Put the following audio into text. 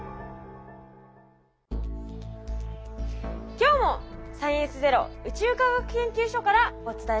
今日も「サイエンスＺＥＲＯ」宇宙科学研究所からお伝えしていきます。